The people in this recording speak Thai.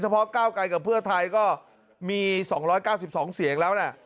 เพราะก้าวไกลกับเพื่อไทยก็มี๒๙๒เสียงแล้วนะ